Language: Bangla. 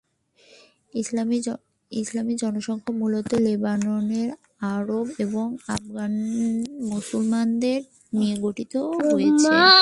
ইসলামি জনসংখ্যা মূলত লেবাননের আরব এবং আফগান মুসলমানদের নিয়ে গঠিত হয়েছে।